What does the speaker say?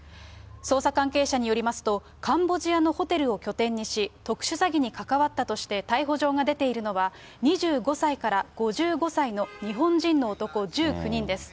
捜査関係者によりますと、カンボジアのホテルを拠点にし、特殊詐欺に関わったとして逮捕状が出ているのは、２５歳から５５歳の日本人の男１９人です。